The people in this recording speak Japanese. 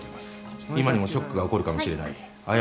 今にもショックが起こるかもしれない危うい状況です。